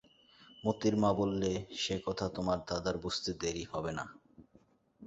মোতির মা বললে, সে কথা তোমার দাদার বুঝতে দেরি হবে না।